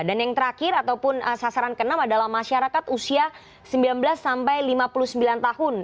dan yang terakhir ataupun sasaran ke enam adalah masyarakat usia sembilan belas sampai lima puluh sembilan tahun